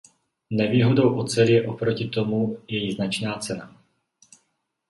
Nevýhodou oceli je oproti tomu její značná cena.